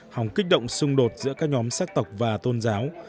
hòng kích động xung đột giữa các nhóm xác tộc và tôn giáo